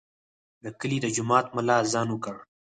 د کلي د جومات ملا اذان وکړ.